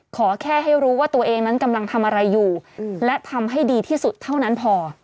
ขอแค่ให้รู้ว่าตัวเองนั้นกำลังทำอะไรอยู่และทำให้ดีที่สุดเท่านั้นพอ